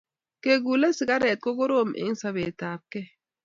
Kegule sigaret ko korom eng sobet ab kei